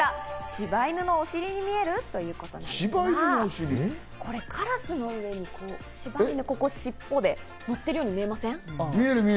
しば犬のおしりに見える？ということですが、これ、カラスの上にここ尻尾でのってるように見えません？